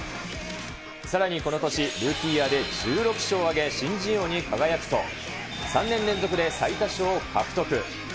さらにこの年、ルーキーイヤーで１６勝を挙げ、新人王に輝くと、３年連続で最多勝を獲得。